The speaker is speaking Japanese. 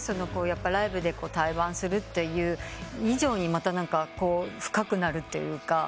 ライブで対バンする以上にまた深くなるというか。